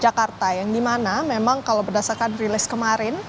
jakarta yang dimana memang kalau berdasarkan rilis kemarin